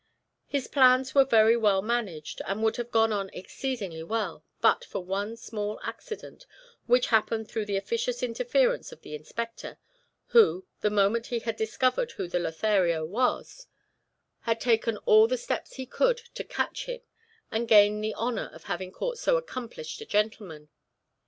His plans were very well managed, and would have gone on exceedingly well, but for one small accident which happened through the officious interference of the inspector, who, the moment he had discovered who the Lothario was, had taken all the steps he could to catch him, and gain the honor of having caught so accomplished a gentleman.